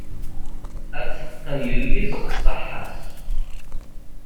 Ad t-teqqen yelli ṣaḥa-s.